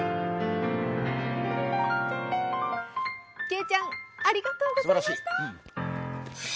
けいちゃんありがとうございました。